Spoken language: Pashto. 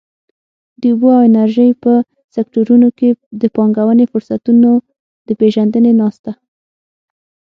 د اوبو او انرژۍ په سکټورونو کې د پانګونې فرصتونو د پېژندنې ناسته.